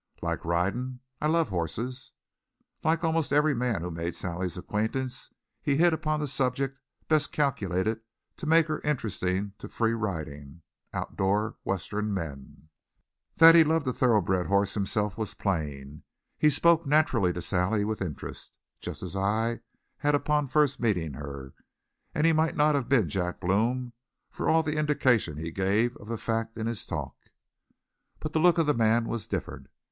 "Like ridin'?" "I love horses." Like almost every man who made Sally's acquaintance, he hit upon the subject best calculated to make her interesting to free riding, outdoor Western men. That he loved a thoroughbred horse himself was plain. He spoke naturally to Sally with interest, just as I had upon first meeting her, and he might not have been Jack Blome, for all the indication he gave of the fact in his talk. But the look of the man was different.